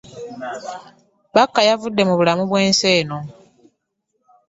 Bakka yavudde mu bulamu bw'ensi eno.